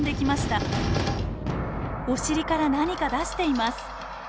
お尻から何か出しています。